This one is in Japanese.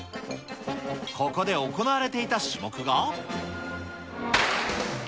ここで行われていた種目が。